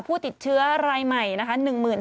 ผู้ติดเชื้อรายใหม่นะคะ